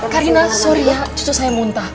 karina sorry ya cucu saya muntah